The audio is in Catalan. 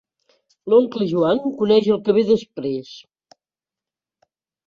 L'oncle Joan coneix el que ve després.